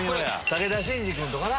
武田真治君とかな。